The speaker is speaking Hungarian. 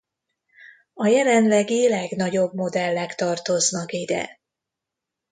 A jelenlegi legnagyobb modellek tartoznak ide.